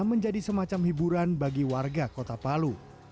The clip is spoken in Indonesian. menjadi semacam hiburan bagi warga kota palu